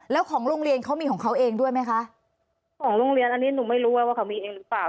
แล้วของโรงเรียนเขามีของเขาเองด้วยไหมคะของโรงเรียนอันนี้หนูไม่รู้ว่าเขามีเองหรือเปล่า